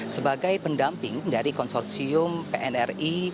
sebagai pendamping dari konsorsium pnri